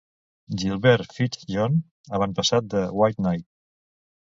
Gilbert Fitz-John, avantpassat de White Knight.